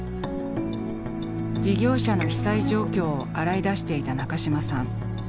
事業者の被災状況を洗い出していた中島さん。